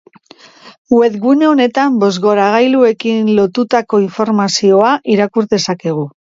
Webgune honetan bozgorailuekin lotutatutako informazioa irakur dezakezu.